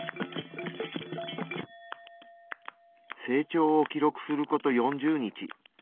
成長を記録すること４０日。